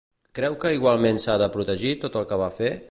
Creu que igualment s'ha de protegir tot el que va fer?